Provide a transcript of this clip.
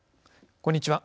こんにちは。